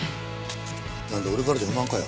なんだよ俺からじゃ不満かよ。